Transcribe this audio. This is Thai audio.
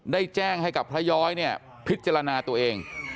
ได้แจ้งให้กับพระย้อยเนี่ยพิจารณาตัวเอง